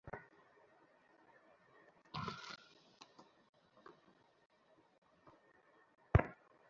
কিন্তু রাতে cocktail party আছে।